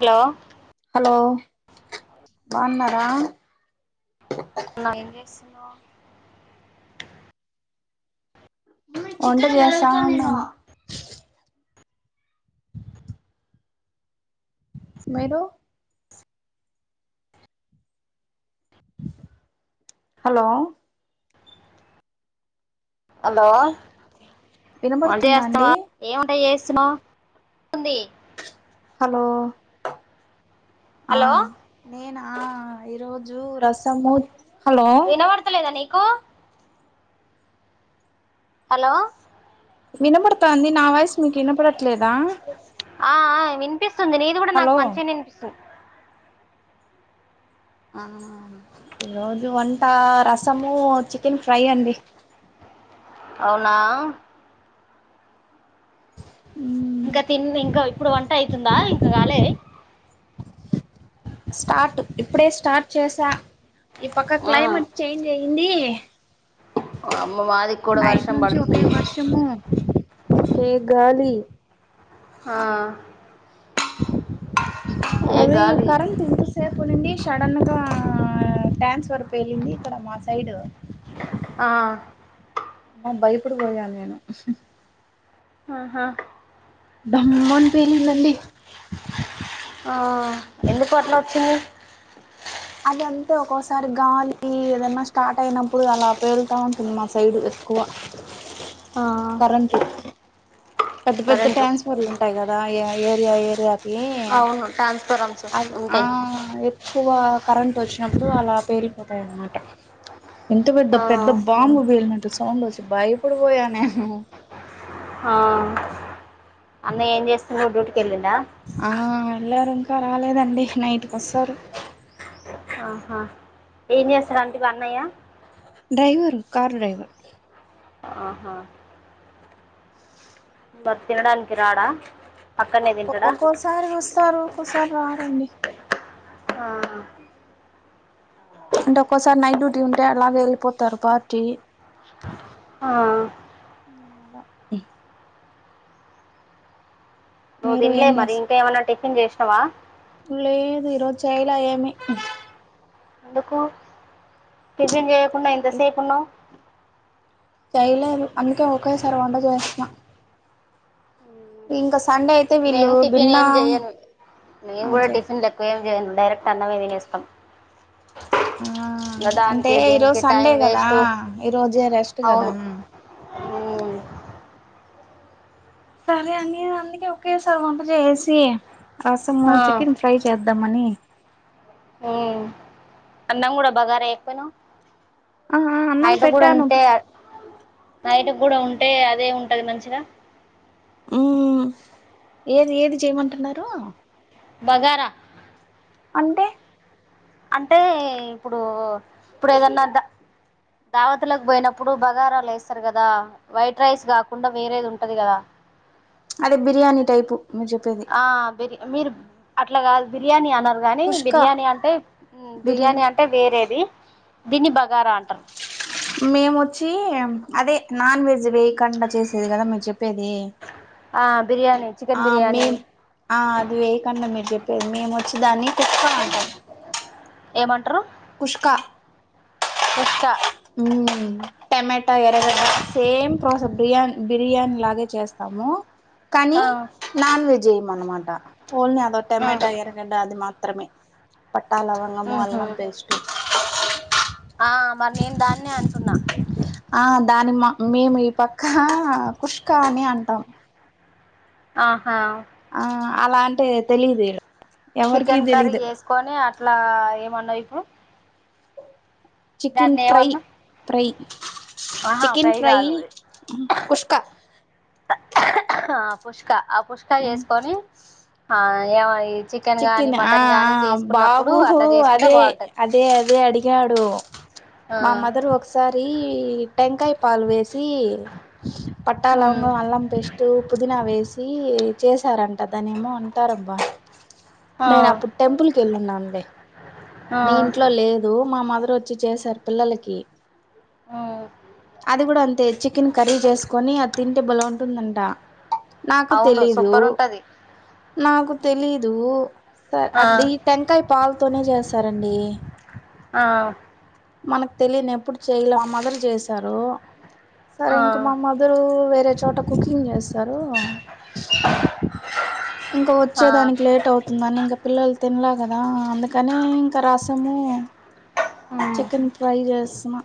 Hello. Hello బాగున్నారా ఏం చేస్తున్నావ్ వంటలు చేస్తా ఉన్నా మీరు హలో హలో వంట వినబడుతుందా అండి చేస్తావా ఏమంటే చేస్తున్నావ్ ఉంది హలో ఆ హలో నేనా ఈరోజు రసము హలో వినబడతలేదా నీకు హలో వినపడతాంది నా వాయిసు మీకు వినపడట్లేదా అ ఆ వినిపిస్తుంది నీది కూడా నాకు హలో మంచిగా వినిపిస్తుంది ఆ ఈరోజు వంట రసము చికెన్ ఫ్రై అండి అవునా ఇంకా తి ఇంకా ఇప్పుడు వంట అవుతుందా ఇంకకాలే స్టార్ట్ ఇప్పుడే స్టార్ట్ చేసా ఈ పక్క ఆ క్లైమేట్ చేంజ్ అయ్యింది అమ్మ [unintelligible] కి కూడా నైట్ వర్షం నుంచి పడుతుంది [unintelligible] గాలి ఆ ఏ అది గాలి కరెంట్ [unintelligible] సేపు నిడి సడన్ గా ట్రాన్స్ఫర్ పేలింది ఇక్కడ మా సైడ్ ఆ [unintelligible] భయపడిపోయాను నేను ఆహ పేలిందండి ఆ ఎందుకు అట్లా వచ్చింది అదంతే ఒక్కోసారి గాలి ఏదన్నా స్టార్ట్ అయినప్పుడు అలా పేలుతా ఉంటుంది మా సైడ్ ఎక్కువ ఆ [unintelligible] పెద్ద పెద్ద కరెంటు ట్రాన్స్ఫర్లు ఉంటాయి కదాఅ ఏరియా ఏరియా అవును ట్రాన్స్ఫారమ్స్ ఉంటాయి [unintelligible] ఎక్కువ కరెంటు వచ్చినప్పుడు అలా పేలి పోతాయిన్నమాట ఇంత పెద్ద పెద్ద ఆ బాంబు పేలినట్టు సౌండ్ వచ్చి భయపడిపోయా నేను ఆ అన్న ఏం చేస్తుండు డ్యూటికి వెళ్ళి [unintelligible] ఆ వెళ్ళారు ఇంక రాలేదండి నైట్ కీ వస్తారు ఆహా ఏం [unintelligible] మీ అన్నయ్య డ్రైవరు కార్ డ్రైవర్ ఆహా మర్ తినడానికి రాడ ఒక్కోసారి వస్తారు ఒక్కోసారి రా రండి ఆ అంటే ఒక్కసారి నైట్ డ్యూటీ ఉంటే అలాగే వెళ్ళిపోతారు పార్టీ ఆ అలా నువ్వు మీరు తినలే ఏం మరి చేస్ ఇంక ఏమన్నా టిఫిన్ చేసినావ లేదు ఈరోజు చేయలే ఏమి [unintelligible] చేయకుండా ఎంతసేపున్నావ్ చేయలేదు అందుకే ఒకేసారి వంట చేస్తున్న ఇంక సండే మేం వీళ్ళు టిఫిన్ భిన్నా ఏం చెయను మేము ఆ కూడ చే టిఫిన్ [unintelligible] ఏమి చేయను డైరెక్ట్ అన్నమే తినేస్తాం ఆ [unintelligible] అంటే దానికి ఈరోజు దీనికి టైం సండే కదా వేస్ట్ ఈరోజే రెస్ట్ కదా అవును ఉమ్. సరే [unintelligible] అందుకే ఓకే సార్ వంట చేసి రసము ఆ. చికెన్ ఫ్రై చేద్దామని అన్నా కూడ బగారా ఎక్కువను ఆ ఆ అన్నం నైట్ కూడ పెట్టాను ఉంటే ఇప్పుడే నైట్ కూడ ఉంటే అదే ఉంటది మంచిగ ఉ ఏది ఏది చేయమంటున్నారు బగార అంటే అంటే ఇప్పుడు ఇప్పుడు ఏదన్న దావతులోకి పోయినప్పుడు బగారాలు ఎస్తారు కదా వైట్ రైస్ కాకుండా వేరేది ఉంటది కదా అదే బిర్యానీ టైపు మీరు చెప్పేది ఆ బీర్ మీరు అట్లా కాదు బిర్యానీ అనరు గానీ కుష్కా బిర్యానీ అంటే బిరి బిర్యానీ అం టే వేరేది దిన్ని బాగారా అంటరు మేము వచ్చి అదే నాన్ వెజ్ వేయకండా చేసేది కదా మీరు చెప్పేది ఆ బిర్యానీ ఆ చికెన్ బిర్యానీ మేమ్ ఆ అది వేయకుండా మీరు చెప్పేది మేము వచ్చి దాన్ని కుష్కా అంటాం ఏమంటరు కుష్కా పుష్క ఉ టమాటా ఎర్రగడ్డ సేమ్ ప్రాసెస్ బిర్యానీ బిర్యానీ లాగే చేస్తాము కానీ ఆ నాన్ వెజ్ వెయ్యము అన్నమాట ఓన్లీ అదో ఆ టమాటా ఎరగడ్డా అది మాత్రమే పట్టా లవంగమో అల్లం మ్మ్హ్మ్. పేస్ట్ ఆ మరి నేను దాన్ని అంటున్నా ఆ దానిమ్మ మేము ఈ పక్క కుష్కా అని అంటాం ఆహా ఆ అలా అంటే తెలియదు ఈడ ఎవరికి చికెన్ కర్రీ తెలీదు ఏసుకొని అట్లా ఏమన్నావు ఇప్పుడు చికెన్ దాన్ని ఫ్రై ఏమన్నా ఫ్రై చికెన్ ఫ్రై కుష్క ఆ పుష్కా ఆ పుష్కా వేసుకొని ఆ ఏమయి చిక్కిన్ ఆ ఆ బాబు అట్లా చేసుకుంటే అదే బాగుంటది అదే అదే అడిగాడు ఆ మా మదర్ ఓక్స్ ఈ సారి టెంకాయ పాలు వేసి పట్టా ఉమ్ లవంగం అల్లం పేస్ట్ పేస్టు పుదీనా వేసి చేశారంట దాన్ని ఏమో అంటారబ్బా ఆ నేను అప్పుడు టెంపుల్ కి వెళ్ళున్ననండి ఆ నీ ఇంట్లో లే దు మా మదర్ వచ్చి చేసారు పిల్లలకి ఉ అది కూడా అంతే చికెన్ కర్రీ చేసుకొని అది తింటే బలే ఉంటుందంట నాకు అవును తెలీదు సూపర్ ఉంటది నాకు తెలీదు సర ఆ అడి టెంకాయ పాలుతోనే చేస్తారండి ఆ మనకు తెలియని ఎప్పుడు చెయలే మా మదర్ చేశారు సరే ఆ ఇంకా మా మ దర్ వేరే చోట కుకింగ్ చేస్తారు ఇంకా ఆ వచ్చే దానికి లేట్ అవుతుందని ఇంకా పిల్లలు తినలే కదా అందుకని ఇంకా రసము ఉమ్ చికెన్ ఫ్రై చేస్తున్న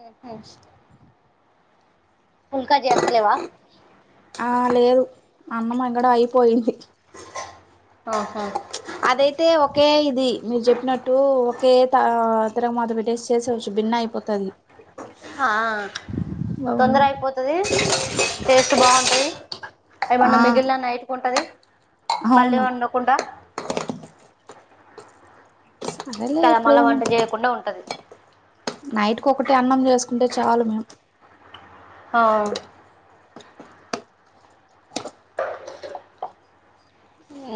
ఉహు పుల్కా జెస్తలేవా ఆ లేదు అన్నం ఇక్కడ అయిపోయింది ఆహా అదైతే ఒకే ఇది మీరు చెప్పినట్టు ఒకే త తిరగుమాత పెట్టేసి చేసేవచ్చు భిన్న అయిపొద్ది తది ఆ తొందర అయిపోతది టేస్ట్ బాగుంటది ఆ ఏమన్నా మిగిలిన నైట్ ఉంటది మళ్ళీ అవును వండకుండా సరేలే తన మళ్ళ ఇప్పుడేమి వంట చేయకుండా ఉంటది నైట్కి ఒకటి అన్నం చేసుకుంటే చాలు మేము ఆ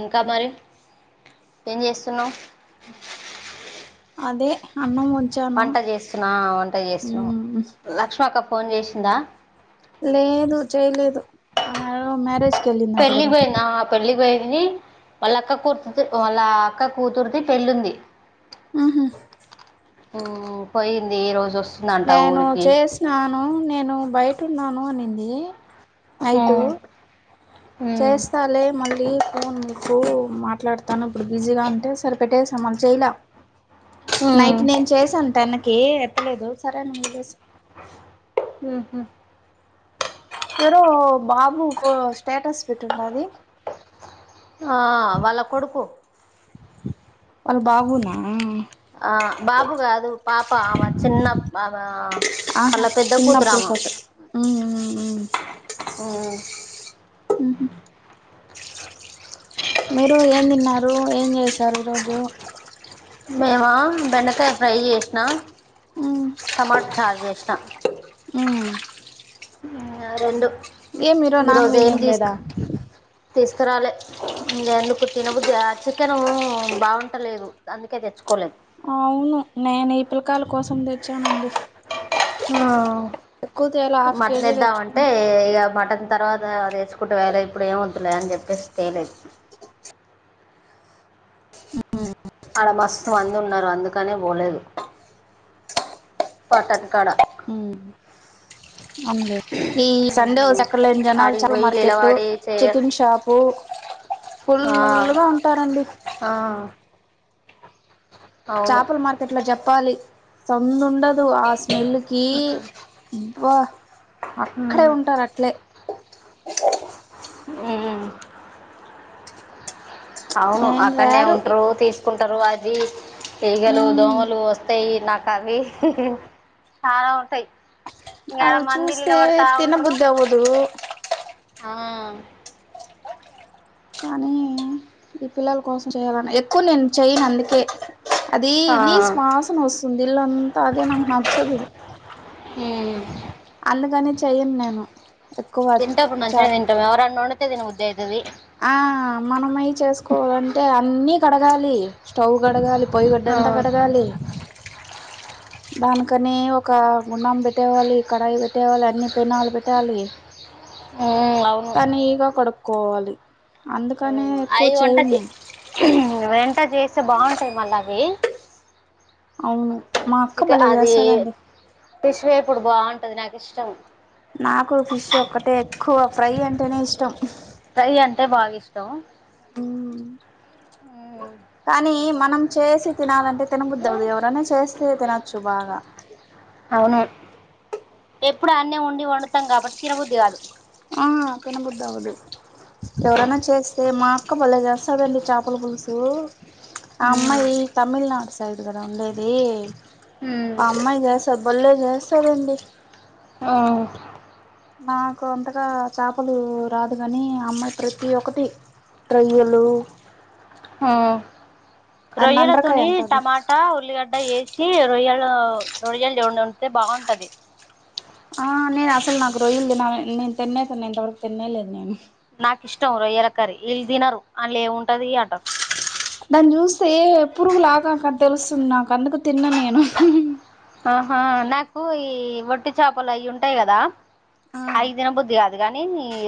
ఇంకా మరి ఏం చేస్తున్నావు అదే అన్నం వండి వంట చేస్తున్నా వంట చేస్తున్నా ఉమ్ లక్ష్మ అక్క ఫోన్ చేసిందా లేదు చేయలేదు మ్యారేజ్ పళ్లి పోయినా పెళ్లికి పోయిని వాళ్ళ అక్క కూర్తు వాళ్ళ అక్క కూతుర్తి పెళ్ళింది ఆహ హ్మ్ పోయింది ఈ రోజు వస్తుందంట నేను ఊరికి చేసినాను నేను బయటున్నాను అనింది నైటు ఉమ్ ఉమ్ చేస్తాలే మళ్ళీ న్ మీకు మాట్లాడతాను ఇప్పుడు బిజీగా ఉంటే సరిపెట్టేస మాల చేయలా ఉమ్ నైట్ నేను చేసాను టెన్ కి ఎత్తలేదు సరేఅని వొదిలేసి హాహు మీరు బాబు ఒక స్టేటస్ పెట్టింటది హా వాళ్ళ కొడుకు వాళ్ళ బాబున ఆ బాబుగాదు పాప ఆ చిన్న ఆ ఆహా అళ్ళ పెద్ద చిన్నప్పుడు కూతురామా ఫోటో ఉమ్ ఉమ్ ఉమ్ హ్మ్ హ్మ్ హు మీరు ఏం తిన్నారు ఏం చేశారు ఈ రోజు మేమ బెండకాయ ఫ్రై చేసిన ఉమ్ టమాటా చారు చేసిన హ్మ్ రెండు ఏం ఈరోజు ఈ నాన్ రోజు వెజ్ ఏం లేదా తీసుకు తీసుకురాలే ఇంగా ఎందుకు తినబుధి చికెను బాగుంటలేదు అందుకే తెచ్చుకోలేదు అవును నేను ఈ పిలకాయల కోసం తెచ్చానండి ఎక్కువ తేలా హాఫ్ మటన్ కేజీ ఎద్దామంటే తెచ్చుకున్నా ఇక మటన్ తర్వాతది తెసుుకుంటే వాయే ఇప్పుడు ఏం వద్దులే అని చెప్పేసి తేలేదు హ్మ్ ఆడ మస్తు మంది ఉన్నారు అందుకనే పోలేదు మట్టన్ కడ మ్మ్ అవునులే ఈ సండే సక్కలు ఎం జనాలు ఆడికి చాపల పోయి మార్కెట్ నిలబడి చేయ చికెన్ షాపు ఆ ఫుల్గా ఉంటారండి ఆ అవును చేపల మార్కెట్ లో చెప్పాలి సందు ఉండదు ఆ స్మెల్ కి బ అక్కడే ఉంటారు అట్లే హ్మ్ అవును నేను అక్కడనే రారు ఉంటారు తీసుకుంటారు అది ఈగలు మ్మ్ దోమలు వస్తాయి నాకు అవి చాలా ఉంటాయి ఇంకాడ మంది నీలా పడతా ఉంటారు అవును ఆ కానీ ఈ పిల్లల కోసం చేయాలని ఎక్కువ నేను చెయను అందుకే అది ఆ నిశువాసనా వస్తుంది ఇల్లంతా అదే నాకు నచ్చదు ఉ అందుకనే చెయ్యను నేను ఎక్కువ తింటపుడు మంచి గానే చాట్ తింటావు ఎవరన్నా వండితే తిన బుద్ధి అవుతది ఆ మనమై చేసుకోవాలంటే అన్నీ కడగాలి స్టవ్ కడగాలి పోయి ఆ గడ్డంతా కడగాలి దాని కానీ ఒక్క మునామ్ పెట్టేవాలీ కడాయి పెట్టేవాలి అన్ని పెనాలు పెట్టాలి ఉ అవ్వ్ నీగా కొడుక్కోవాలి అందుకనే ఎక్కువ చేయ్యను వెంటా చేస్తే బాగుంటది మందా కి అవును మా అక్క చికె భలేె అది చేస్తాదండి ఫిష్ వేపుడు బాగుంటది నాకు ఇష్టం నాకు ఫిష్ ఒక్కటే ఎక్కువ ఫ్రై అంటేనే ఇష్టం ఫ్రై అంటే బాగా ఇష్టం ఉ ఉమ్ కానీ మనం చేసి తినాలంటే తినా బుద్ధి అవ్వదు ఎవరన్నా చేస్తే తినొచ్చు బాగా అవును ఆ తిన బుద్ధి అవ్వదు ఎవరన్నా చేస్తే మా అక్క భలే చేస్తాదండి చాపల పులుసు ఆ ఉమ్ అమ్మాయి తమిళనాడు సైడ్ కదా ఉండేది ఉ ఆ అమ్మాయి చేస్తది బలే చేస్తదండి అవ్ నాకు అంతగా చాపలు రాదు గాని అమ్మాయి ప్రతి ఒక్కటి రొయ్యలు ఆ రొయ్యల నండ్రకాయ తోని అంటారు టమాటా ఉల్లిగ్ తాఏసీ రొయ్యలు రొయ్యలు జోడున్ బాగుంటది ఆ నేను అసలు నాకు రొయ్యలు తిన్నా నేను తినే తిన్నను ఇంత వరకు తిన్న లేదు నేను నాకు ఇష్టం రొయ్యల కర్రీ వీళ్ళు తినరు ఆళ్ల ఏమి ఉంటది అంటారు ప్చ్ దాన్ని చూస్తే పురుగులాగా గాథ తెలుస్తుంది నాకు అందుకు నేను హాహా ఆహా నాకు ఈ వట్టి చేపలు అయి ఉంటాయి కదా ఆ అవి తిన బుద్ధి కాదు గానీ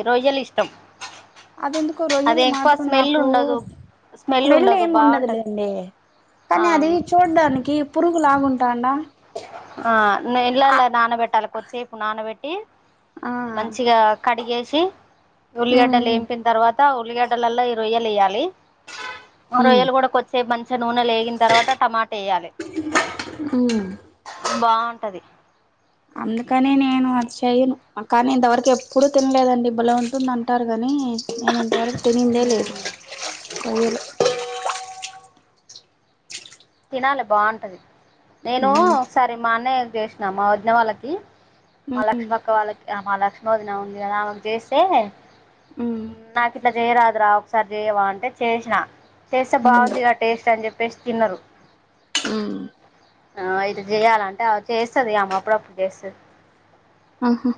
రొయ్యలు ఇష్టం అది ఎందుకో అది రొయ్యలు ఎక్కువ మాత్రం స్మెల్ నాకు ఉండదు స్మెల్ ఉండదు బాగుంటది ఆ కానీ అది చూడ్డానికి పురుగు లాగ ఉంటాండా ఆ నీళ్ళలో నానబెట్టాలి కొద్దిసేపు నానబెట్టి ఆ మంచిగా కడిగేసి ఉమ్ ఉల్లిగడ్డలు వేంపిన్ తర్వాత్ త ఉల్లిగడ్డలలో ఈ రొయ్యలు ఏయ్యాలి ఆ ఉమ్ రొయ్యలు కూడా కో సే పంచెను నూనె ఏగిన తర్వాత టమాటా వెయ్యాలి ఉ బాగుంటది అందుకనే నేను అది చెయ్యను కానీ ఇంతవరకు ఎప్పుడు తినలేదండి బాలే ఉంటున్ టారు గానీ నేను ఇంతవరకు తినిందే లేదు ఉమ్ అవును తిన్నలే బాగుంటది నేను ఉమ్ ఒక్కసారి మా అన్నయ్య కు చేసినా మా వదిన వాళ్ళకి మా ఉమ్ లక్ష్మీ అక్క వాళ్ళకి అ మా లక్ష్మమ వదిన ఉంది కదా ఆమె కు చేస్తే హ్మ్ నాకు ఇట్ల చెయ్యరాదు రా ఒక్కసారి చెయ్యవా అంటే చేసిన చేస్తే హ్మ్ బాగుంది గా టేస్ట్ అని చెప్పేసి తిన్నారు హ్మ్ ఆ ఇటా చేయాలంటే ఆ చేస్తుది ఆమె అప్పుడు అప్పుడు చేస్తాది ఆహా